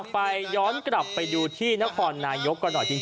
ไปย้อนกลับไปที่นครนายกก่อนหน่อย